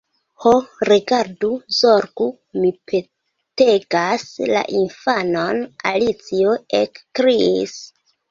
"Ho, rigardu, zorgu, mi petegas la infanon!" Alicio ekkriis.